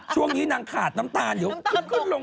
ช่วงนี้นางขาดน้ำตาลเดี๋ยวขึ้นลง